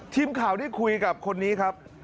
ทีมข่าวได้คุยกับคนนี้ครับ